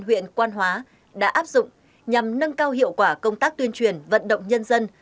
huyện quan hóa đã áp dụng nhằm nâng cao hiệu quả công tác tuyên truyền vận động nhân dân